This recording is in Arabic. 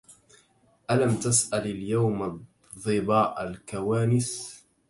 ألم تسأل اليوم الظباء الكوانس